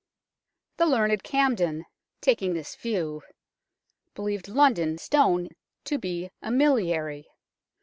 The learned Camden, taking this view, believed London Stone to be " a miliary."